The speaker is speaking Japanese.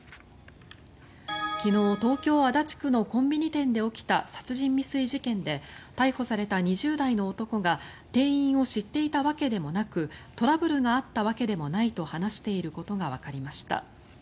昨日、東京・足立区のコンビニ店で起きた殺人未遂事件で逮捕された２０代の男が店員を知っていたわけでもなくトラブルがあったわけでもないと話していることがわかりました。